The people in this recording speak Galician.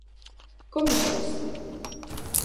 ¿Comiches?